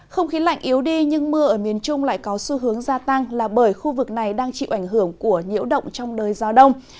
không khí lạnh yếu đi nhưng mưa ở miền trung lại có xu hướng gia tăng là bởi khu vực này đang chịu ảnh hưởng của nhiễu động trong đời gió đông